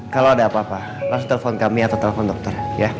kalau ada apa apa langsung telepon kami atau telepon dokter